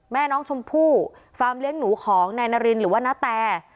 แม่น้องชมพู่ฟาร์มเลี้ยงหนูของนายนารินหรือว่านาแต